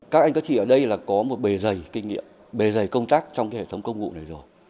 các anh các chị ở đây là có một bề dày kinh nghiệm bề dày công tác trong hệ thống công vụ này rồi